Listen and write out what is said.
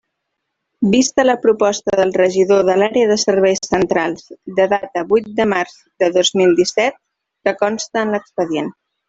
Vista la proposta del regidor de l'Àrea de Serveis Centrals, de data vuit de març de dos mil disset, que consta en l'expedient.